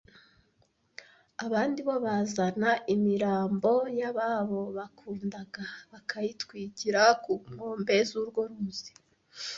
Abandi bo bazana imirambo y’ababo bakundaga bakayitwikira ku nkombe z’urwo ruzi